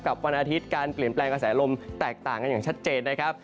วันอาทิตย์การเปลี่ยนแปลงกระแสลมแตกต่างกันอย่างชัดเจนนะครับ